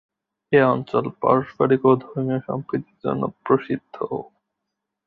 এ অঞ্চল পারস্পরিক ও ধর্মিয় সম্প্রীতির জন্য প্রসিদ্ধ।